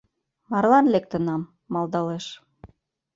Марлан лектынам, малдалеш.